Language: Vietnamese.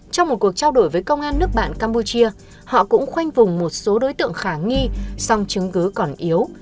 trong một cuộc trao đổi với công an nước bạn campuchia họ cũng khoanh vùng một số đối tượng khả nghi song chứng cứ còn yếu